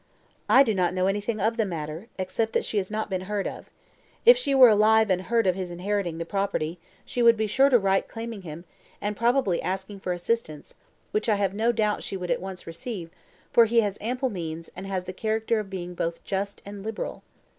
"I do not know anything of the matter, except that she has not been heard of. If she were alive and heard of his inheriting this property, she would be sure to write claiming him, and probably asking for assistance, which I have no doubt she would at once receive, for he has ample means, and has the character of being both just and liberal."